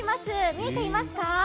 見えていますか？